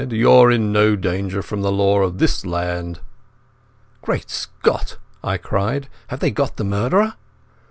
"You're in no danger from the law of this land." "Great Scot!" I cried. "Have they got the murderer?"